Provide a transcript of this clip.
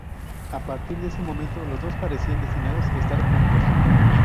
A partir de ese momento, los dos parecían destinados a estar juntos.